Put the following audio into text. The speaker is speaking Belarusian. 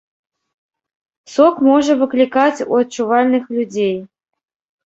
Сок можа выклікаць у адчувальных людзей.